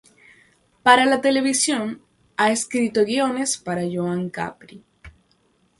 Para la televisión, ha escrito guiones para Joan Capri.